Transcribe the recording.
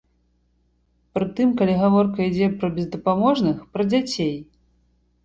Пры тым, калі гаворка ідзе пра бездапаможных, пра дзяцей.